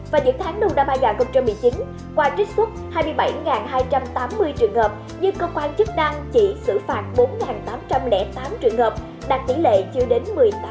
và những tháng đầu năm hai nghìn một mươi chín qua trích xuất hai mươi bảy hai trăm tám mươi trường hợp nhưng cơ quan chức năng chỉ xử phạt bốn tám trăm linh tám trường hợp đạt tỷ lệ chưa đến một mươi tám